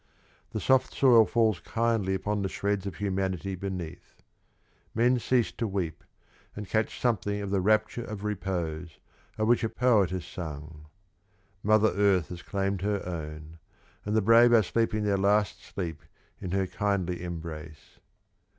The soft soil falls kindly upon the shreds of humanity beneath. Men cease to weep, and catch something of the "rapture of repose" of which a poet has sung. Mother Earth has claimed her own, and the brave are sleeping their last sleep in her kindly embrace.